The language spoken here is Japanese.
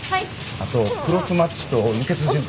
あとクロスマッチと輸血準備。